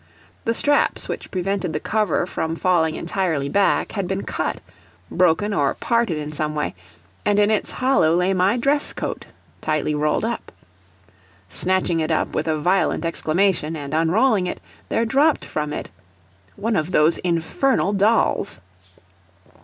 The straps which prevented the cover from falling entirely back had been cut, broken or parted in some way, and in its hollow lay my dresscoat, tightly rolled up. Snatching it up with a violent exclamation, and unrolling it, there dropped from it one of those infernal dolls.